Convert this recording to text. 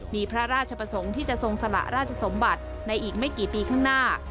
มีพระราชประสงค์ที่จะทรงสละราชสมบัติในอีกไม่กี่ปีข้างหน้า